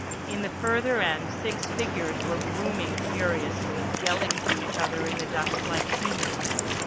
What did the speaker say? In the further end six figures were brooming furiously, yelling to each other in the dust like demons.